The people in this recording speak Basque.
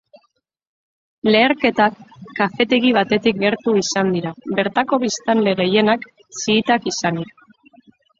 Leherketak kafetegi batetik gertu izan dira, bertako biztanle gehienak xiitak izanik.